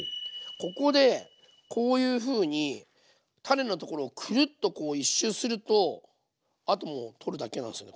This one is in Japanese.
ここでこういうふうに種のところをクルッとこう１周するとあともう取るだけなんすよね